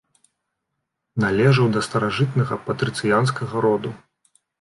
Належаў да старажытнага патрыцыянскага роду.